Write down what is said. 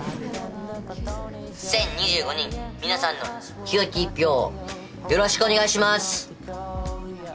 １０２５人みなさんの清き１票をよろしくお願いします。